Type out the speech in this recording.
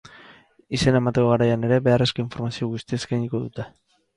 Izena emateko garaian ere, beharrezko informazio guztia eskainiko dute.